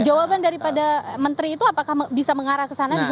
jawaban daripada menteri itu apakah bisa mengarah ke sana